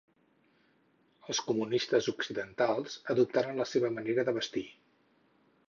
Els comunistes occidentals adoptaren la seva manera de vestir.